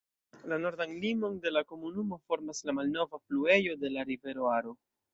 La nordan limon de la komunumo formas la malnova fluejo de la rivero Aro.